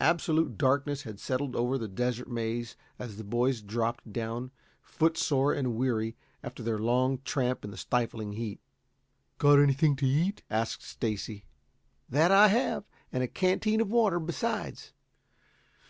Absolute darkness had settled over the Desert Maze as the boys dropped down, footsore and weary after their long tramp in the stifling heat. "Got anything to eat?" asked Stacy. "That I have, and a canteen of water besides.